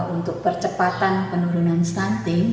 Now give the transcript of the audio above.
untuk percepatan penurunan stunting